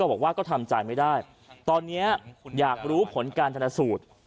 บอกว่าก็ทำใจไม่ได้ตอนนี้อยากรู้ผลการชนสูตร